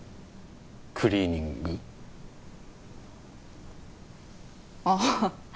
クリーニングああ